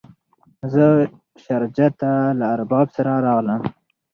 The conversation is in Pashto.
زه شارجه ته له ارباب سره راغلم.